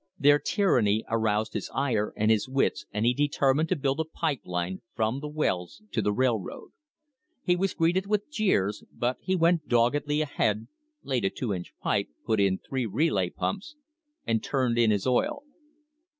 Their tyranny aroused his ire and his wits and he determined to build a pipe line from the wells to the rail road. He was greeted with jeers, but he went doggedly ahead, laid a two inch pipe, put in three relay pumps, and turned in his oil.